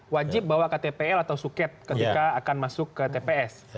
wajib bawa ktpl atau suket ketika akan masuk ke tps